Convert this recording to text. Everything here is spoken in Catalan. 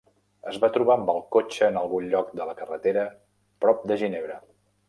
Es va trobar amb el cotxe en algun lloc de la carretera prop de Ginebra.